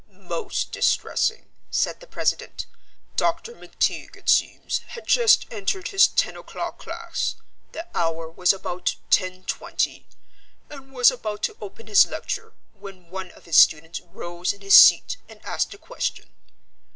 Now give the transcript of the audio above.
"Most distressing," said the president. "Dr. McTeague, it seems, had just entered his ten o'clock class (the hour was about ten twenty) and was about to open his lecture, when one of his students rose in his seat and asked a question.